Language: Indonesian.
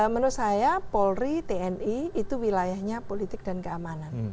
menurut saya polri tni itu wilayahnya politik dan keamanan